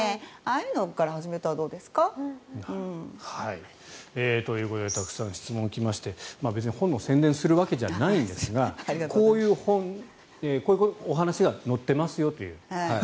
ああいうのから始めたらどうですか？ということでたくさん質問が来まして別に本の宣伝をするわけではないんですがこういうお話が載っていますよという。